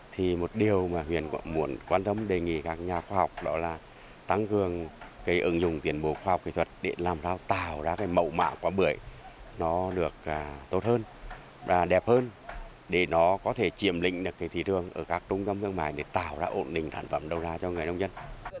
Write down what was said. thì một điều mà huyện muốn quan tâm đề nghị các nhà khoa học đó là tăng cường cái ứng dụng tiến bộ khoa học kỹ thuật để làm sao tạo ra cái mẫu mã quả bưởi nó được tốt hơn và đẹp hơn để nó có thể chiếm lĩnh được cái thị trường ở các trung tâm thương mại để tạo ra ổn định sản phẩm đầu ra cho người nông dân